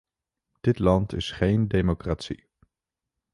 Dit land is geen democratie.